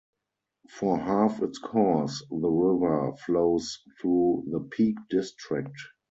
For half its course, the river flows through the Peak District.